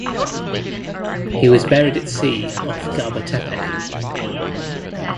He was buried at sea off Gaba Tepe.